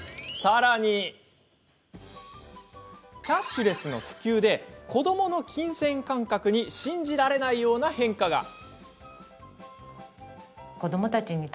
キャッシュレスの普及で子どもの金銭感覚に信じられないような変化が！